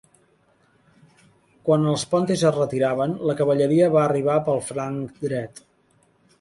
Quan els pontis es retiraven, la cavalleria va arribar pel flanc dret.